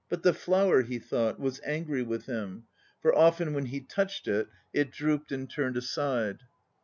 224 SUMMARIES 225 Was angry with him, for often when he touched it It drooped and turned aside.